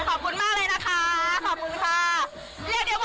โอเคขอบคุณมากเลยนะคะ